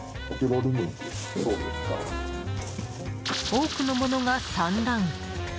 多くの物が散乱。